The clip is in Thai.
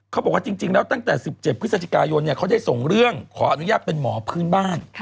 เขาบอกว่าจริงแล้วตั้งแต่๑๗พฤศจิกายนเขาได้ส่งเรื่องขออนุญาตเป็นหมอพื้นบ้าน